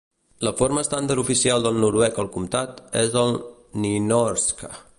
La forma estàndard oficial del noruec al comtat és el nynorsk.